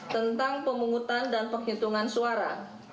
tentang pemungutan dan penghitungan suara